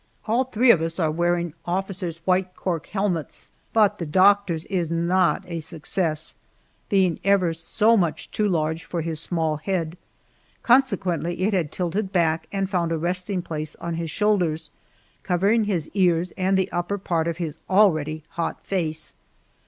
All three of us are wearing officers' white cork helmets, but the doctor's is not a success, being ever so much too large for his small head, consequently it had tilted back and found a resting place on his shoulders, covering his ears and the upper part of his already hot face.